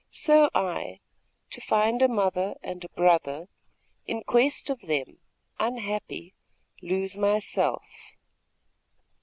So I, to find a mother, and a brother, In quest of them, unhappy, lose myself.